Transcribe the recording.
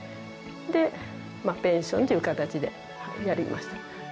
でペンションという形でやりました。